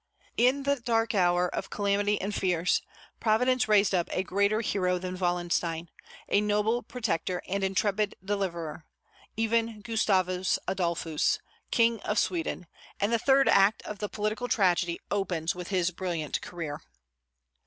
In that dark hour of calamity and fears, Providence raised up a greater hero than Wallenstein, a noble protector and intrepid deliverer, even Gustavus Adolphus, King of Sweden; and the third act of the political tragedy opens with his brilliant career.